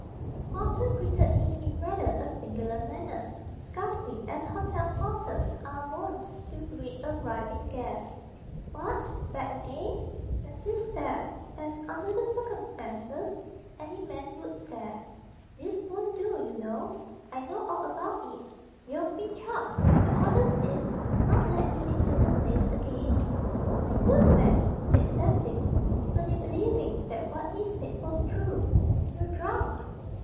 The porter greeted him in rather a singular manner, scarcely as hotel porters are wont to greet arriving guests. "What! Back again!" Cecil stared, as, under the circumstances, any man would stare. "This won't do, you know. I know all about it you've been chucked. My orders is, not let you into the place again." "My good man," said Cecil, fully believing that what he said was true, "you're drunk."